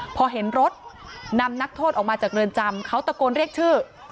พอเห็นรถนำนักโทษออกมาจากเรือนจำเขาตะโกนเรียกชื่อ